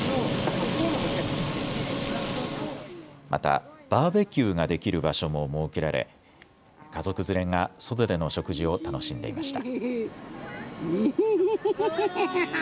またバーベキューができる場所も設けられ家族連れが外での食事を楽しんでいました。